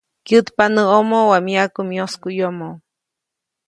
‒Ŋgyätpa näʼomo waʼa myaku myoskuʼyomo-.